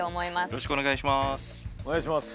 よろしくお願いします。